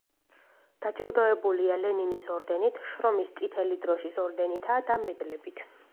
დაჯილდოებულია: ლენინის ორდენით, შრომის წითელი დროშის ორდენითა და მედლებით.